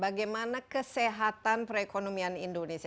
bagaimana kesehatan perekonomian indonesia